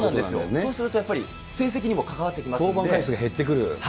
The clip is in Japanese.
そうするとやっぱり成績にも登板回数が減ってくる？